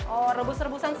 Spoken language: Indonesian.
oh rebus rebusan semua